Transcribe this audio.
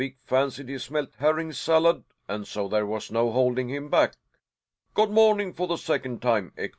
Molvik fancied he smelt herring salad, and so there was no holding him back. Good morning for the second time, Ekdal.